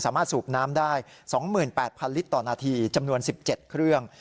สูบน้ำได้๒๘๐๐ลิตรต่อนาทีจำนวน๑๗เครื่อง